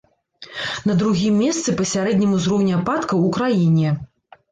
На другім месцы па сярэднім узроўні ападкаў у краіне.